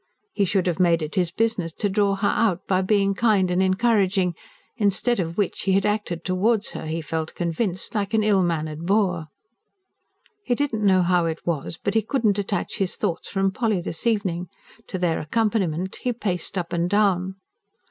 He should have made it his business to draw her out, by being kind and encouraging. Instead of which he had acted towards her, he felt convinced, like an ill mannered boor. He did not know how it was, but he couldn't detach his thoughts from Polly this evening: to their accompaniment he paced up and down.